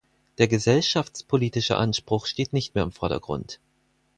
Der gesellschaftspolitische Anspruch steht nicht mehr im Vordergrund.